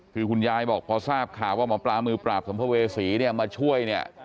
คือคุณยายบอกพอทราบข่าวว่าหมอปลามือปราบสัมภเวษีเนี่ยมาช่วยเนี่ย